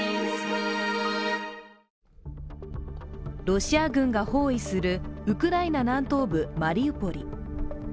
ロシア軍が包囲するウクライナ南東部マリウポリ。